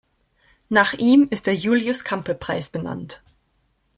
Nach ihm ist der Julius-Campe-Preis benannt.